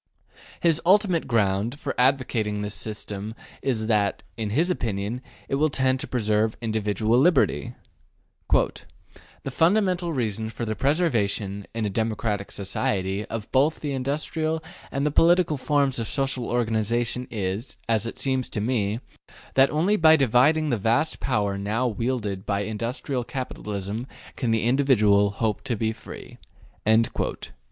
His ultimate ground for advocating this system is that, in his opinion, it will tend to preserve individual liberty: ``The fundamental reason for the preservation, in a democratic Society, of both the industrial and the political forms of Social organization is, it seems to me, that only by dividing the vast power now wielded by industrial capitalism can the individual hope to be free'' (p.